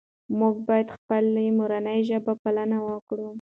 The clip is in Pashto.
موږ باید د خپلې مورنۍ ژبې پالنه وکړو.